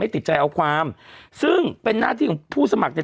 ติดใจเอาความซึ่งเป็นหน้าที่ของผู้สมัครเนี่ย